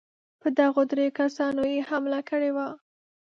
پر دغو درېو کسانو یې حمله کړې وه.